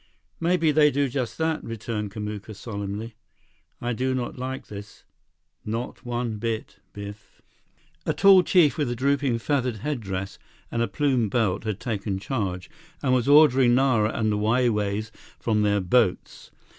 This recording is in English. "Maybe they do just that," returned Kamuka solemnly. "I do not like this. Not one bit, Biff." A tall chief with a drooping feathered headdress and a plumed belt had taken charge, and was ordering Nara and the Wai Wais from their boats.